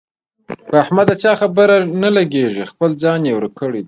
په احمد د چا خبره نه لګېږي، خپل ځان یې ورک کړی دی.